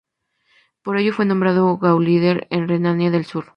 Por ello, fue nombrado Gauleiter en Renania del Sur.